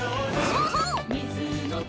そうそう！